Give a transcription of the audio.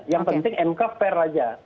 yang penting mk fair aja